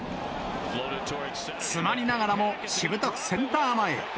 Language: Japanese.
詰まりながらもしぶとくセンター前へ。